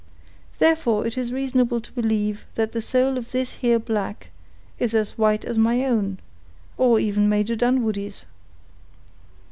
Therefore it is reasonable to believe that the soul of this here black is as white as my own, or even Major Dunwoodie's."